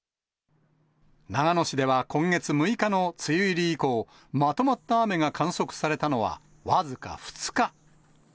長野市では今月６日の梅雨入り以降、まとまった雨が観測されたのは、僅か２日。